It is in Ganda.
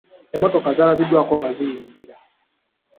Emmotoka zaalabiddwaako nga ziyingira.